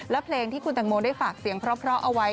และเพลงที่คุณตังโมได้ฝากเสียงเพราะเอาไว้